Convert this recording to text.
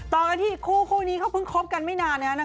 ต่อกันที่คู่นี้เขาเพิ่งคบกันไม่นานนะครับ